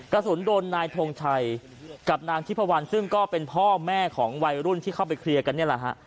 กระสุนโดนนายทงชัยกับนางทิพวันซึ่งก็เป็นพ่อแม่ของวัยรุ่นที่เข้าไปเคลียร์กันนี่แหละฮะ